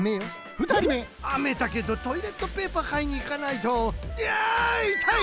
ふたりめあめだけどトイレットペーパーかいにいかないといやいたい！